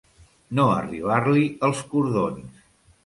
No arribar-li els cordons.